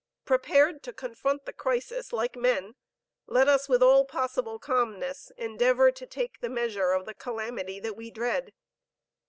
Prepared to confront the crisis like men, let us with all possible calmness endeavor to take the measure of the calamity that we dread.